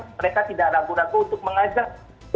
mereka tidak ragu ragu untuk mengajak